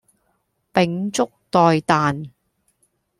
秉燭待旦